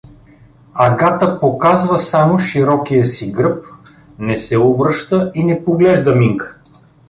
Агата показва само широкия си гръб, не се обръща и не поглежда Минка.